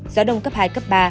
gió đông cấp hai cấp ba